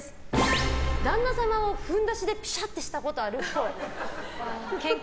旦那様をふんどしでぴしゃっとしたことあるっぽい。